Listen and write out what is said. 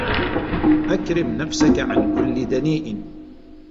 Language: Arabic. أكرم نفسك عن كل دنيء